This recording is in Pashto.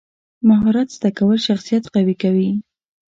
مهارت زده کول شخصیت قوي کوي.